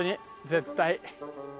絶対。